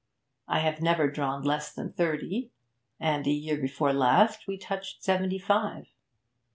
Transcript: I have never drawn less than thirty, and the year before last we touched seventy five.